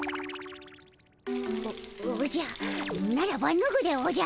おおじゃならばぬぐでおじゃる！